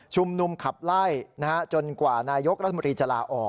นุมขับไล่จนกว่านายกรัฐมนตรีจะลาออก